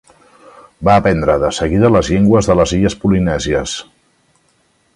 Va aprendre de seguida les llengües de les illes polinèsies.